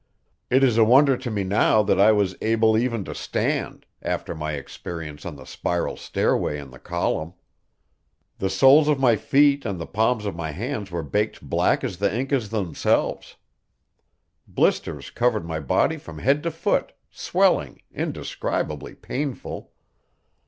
It is a wonder to me now that I was able even to stand, after my experience on the spiral stairway in the column. The soles of my feet and the palms of my hands were baked black as the Incas themselves. Blisters covered my body from head to foot, swelling, indescribably painful.